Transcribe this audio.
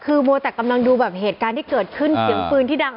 คือมัวแต่กำลังดูแบบเหตุการณ์ที่เกิดขึ้นเสียงปืนที่ดัง